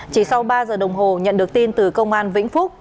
chỉ sau ba giờ đồng hồ nhận được tin từ công an vĩnh phúc